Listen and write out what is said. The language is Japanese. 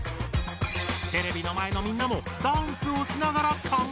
テレビの前のみんなもダンスをしながら考えてね！